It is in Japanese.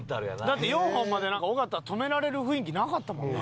だって４本まで尾形止められる雰囲気なかったもんな。